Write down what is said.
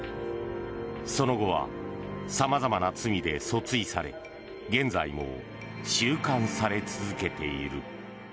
その後はさまざまな罪で訴追され現在も収監され続けている。